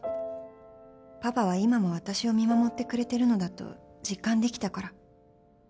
パパは今も私を見守ってくれてるのだと実感できたから